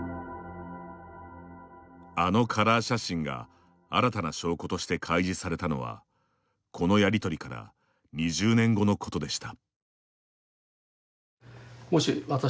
あのカラー写真が新たな証拠として開示されたのはこのやりとりから２０年後のことでした。